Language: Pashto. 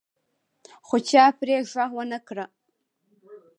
خو چا پرې غوږ ونه ګراوه.